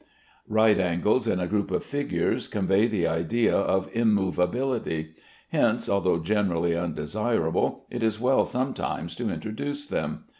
Right angles in a group of figures convey the idea of immovability. Hence, although generally undesirable, it is well sometimes to introduce them.